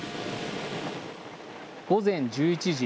午前１１時。